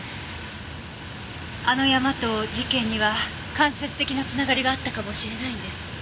あの山と事件には間接的なつながりがあったかもしれないんです。